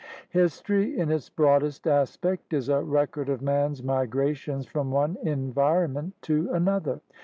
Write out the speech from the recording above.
History in its broadest aspect is a record of man's migrations from one environment to another.